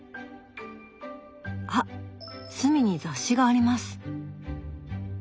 あっ隅に雑誌があります。